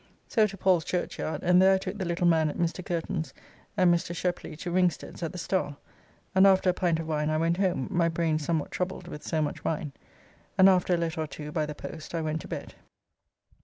So to Paul's Churchyard, and there I took the little man at Mr. Kirton's and Mr. Shepley to Ringstead's at the Star, and after a pint of wine I went home, my brains somewhat troubled with so much wine, and after a letter or two by the post I went to bed.